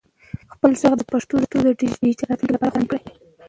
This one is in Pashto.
خپل ږغ د پښتو د ډیجیټل راتلونکي لپاره خوندي کړئ.